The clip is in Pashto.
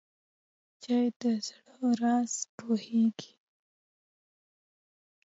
چای د زړه راز پوهیږي.